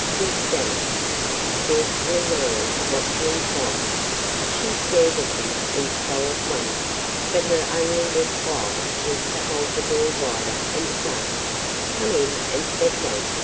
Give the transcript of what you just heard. he stammered, scarcely knowing what to inquire. She stared at him in stolid wonder, but her only reply was to hold the door wider and say: "Come in an' set wun't ye?"